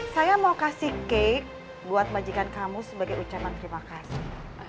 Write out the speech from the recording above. saya mau kasih cake buat majikan kamu sebagai ucapan terima kasih